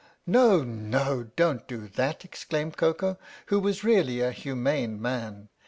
" No, no, don't do that," exclaimed Koko, who was really a humane man.